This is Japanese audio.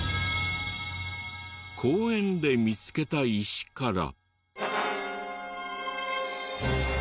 公園で見つけた石から。